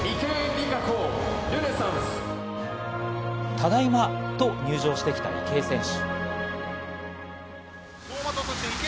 「ただいま」と入場してきた池江選手。